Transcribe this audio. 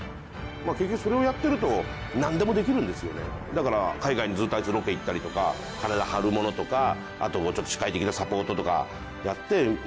だから海外にずっとあいつロケ行ったりとか体張るものとかあとちょっと司会的なサポートとかやって。